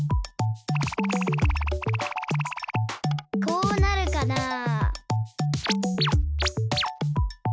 こうなるかなあ。